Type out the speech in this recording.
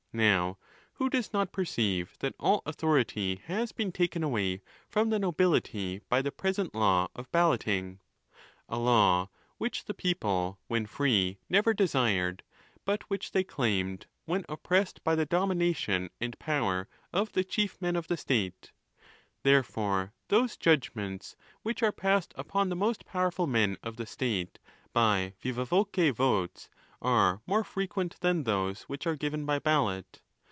Now, who does not per ceive that all authority has been taken away from the nobility by the present law of balloting!—a law which the people, when free, never desired, but which they claimed when oppressed by the domination and power of the chief men of the state; therefore, those judgments which are passed upon the most powerful men of the state by viva voce votes, are more frequent ON THE LAWS, ATT than those which are given by ballot.